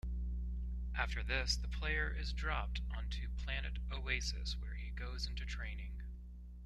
After this, the player is dropped onto Planet Oasis, where he goes into training.